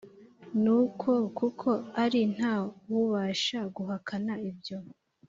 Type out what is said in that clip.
nuko kuko ari nta wubasha guhakana ibyo